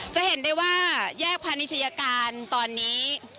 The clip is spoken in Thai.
จะเห็นได้ว่าแยกพาณิชยาการตอนนี้